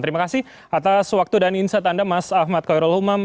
terima kasih atas waktu dan insight anda mas ahmad koirul umam